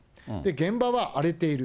現場は荒れている。